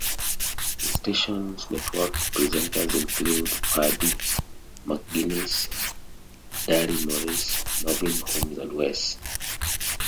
The station's networked presenters include Paddy McGuinness, Darryl Morris, Marvin Humes and Wes Butters.